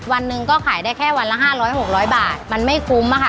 วันหนึ่งก็ขายได้แค่วันละ๕๐๐๖๐๐บาทมันไม่คุ้มค่ะ